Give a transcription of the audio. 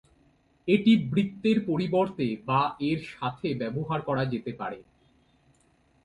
এটি বৃত্তের পরিবর্তে বা এর সাথে ব্যবহার করা যেতে পারে।